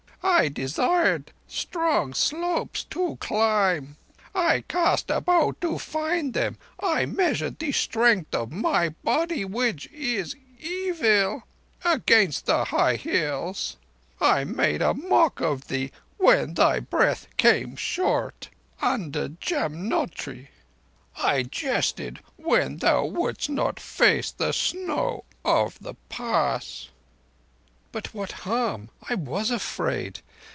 I desired strong slopes to climb. I cast about to find them. I measured the strength of my body, which is evil, against the high Hills, I made a mock of thee when thy breath came short under Jamnotri. I jested when thou wouldst not face the snow of the pass." "But what harm? I was afraid.